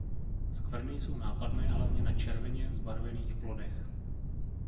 Skvrny jsou nápadné hlavně na červeně zbarvených plodech.